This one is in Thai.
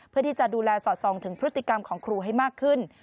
เพื่อที่จะดูแลสอดส่องถึงพฤติกรรมของครูให้มากขึ้น